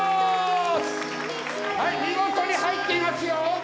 はい見事に入っていますよ！